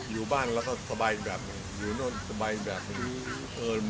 อยู่บ้านเราก็สบายอีกแบบหนึ่งอยู่นั่นสบายอีกแบบหนึ่ง